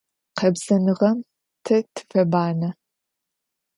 Къэбзэныгъэм тэ тыфэбанэ.